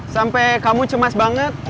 sampai kamu cemas banget